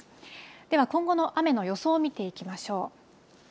では、今後の雨の予想を見ていきましょう。